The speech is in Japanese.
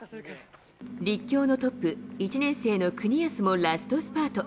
立教のトップ、１年生の國安もラストスパート。